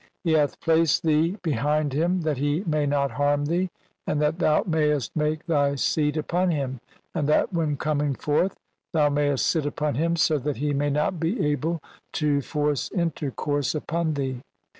He hath placed "thee behind him that he may not harm thee and "that thou mayest make thy seat upon him, and that "when coming forth thou mayest sit upon him so that "he may not be able to force intercourse upon thee".